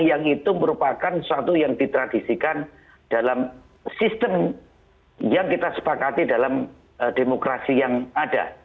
yang itu merupakan sesuatu yang ditradisikan dalam sistem yang kita sepakati dalam demokrasi yang ada